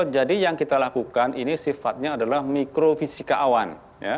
jadi yang kita lakukan ini sifatnya adalah mikrofisika awan